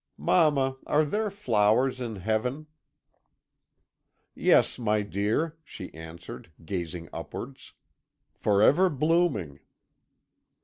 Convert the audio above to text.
Mamma, are there flowers in heaven?' "'Yes, my dear,' she answered, gazing upwards, 'forever blooming.'